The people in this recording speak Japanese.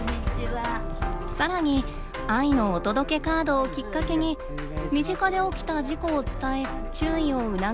さらに「愛のお届けカード」をきっかけに身近で起きた事故を伝え注意を促すことも。